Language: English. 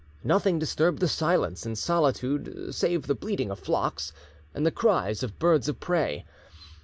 Nothing disturbed the silence and solitude save the bleating of flocks and the cries of birds of prey.